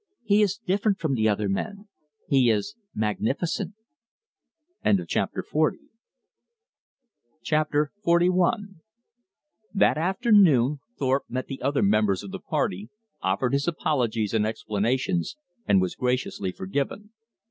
He is different from the other men. He is magnificent." Chapter XLI That afternoon Thorpe met the other members of the party, offered his apologies and explanations, and was graciously forgiven.